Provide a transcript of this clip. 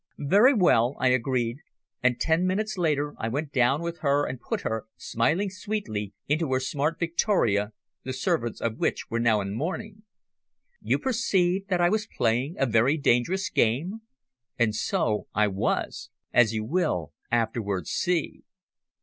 "Very well," I agreed; and ten minutes later I went down with her and put her, smiling sweetly, into her smart victoria, the servants of which were now in mourning. You perceive that I was playing a very dangerous game? And so I was; as you will afterwards see.